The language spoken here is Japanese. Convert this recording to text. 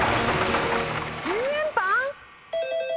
「１０円パン」